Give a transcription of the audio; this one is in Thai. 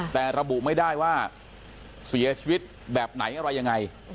แต่ระบุไม่ได้ว่าเสียชีวิตแบบไหนอะไรยังไง